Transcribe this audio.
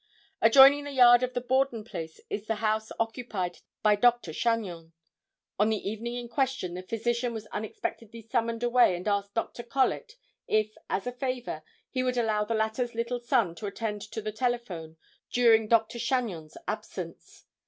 Adjoining the yard of the Borden place is the house occupied by Dr. Chagnon. On the evening in question the physician was unexpectedly summoned away and asked Dr. Collet, if, as a favor, he would allow the latter's little son to attend to the telephone during Dr. Chagnon's absence.